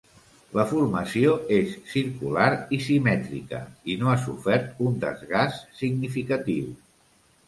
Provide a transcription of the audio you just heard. La formació és circular i simètrica, i no ha sofert un desgast significatiu.